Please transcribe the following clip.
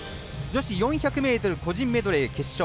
女子４００ｍ個人メドレー決勝。